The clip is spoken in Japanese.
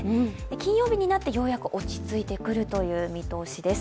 金曜日になってようやく落ち着いてくるという見通しです。